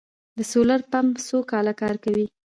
د سولر پمپ څو کاله کار کوي؟